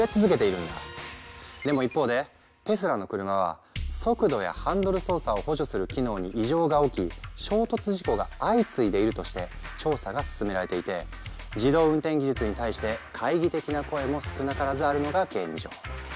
でも一方でテスラの車は速度やハンドル操作を補助する機能に異常が起き衝突事故が相次いでいるとして調査が進められていて自動運転技術に対して懐疑的な声も少なからずあるのが現状。